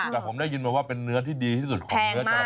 แต่ผมได้ยินมาว่าเป็นเนื้อที่ดีที่สุดของเนื้อจอ